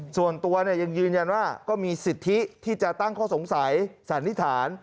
ส่วนตัวยังยืนยันว่าก็มีสิทธิที่จะตั้งข้อสงสัยสันนิษฐาน